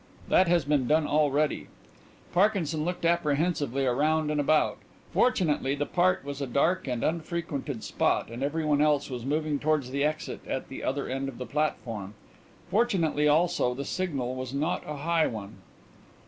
That has been done already." Parkinson looked apprehensively around and about. Fortunately the part was a dark and unfrequented spot and everyone else was moving towards the exit at the other end of the platform. Fortunately, also, the signal was not a high one.